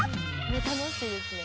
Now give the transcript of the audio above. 「楽しいですね」